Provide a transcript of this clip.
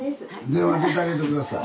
電話出てあげて下さい。